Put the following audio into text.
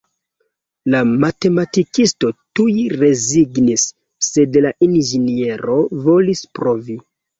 La matematikisto tuj rezignis, sed la inĝeniero volis provi.